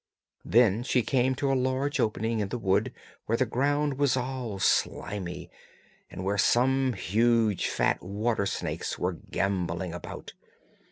Then she came to a large opening in the wood where the ground was all slimy, and where some huge fat water snakes were gambolling about.